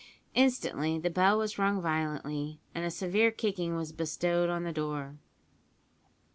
Instantly the bell was rung violently, and a severe kicking was bestowed on the door.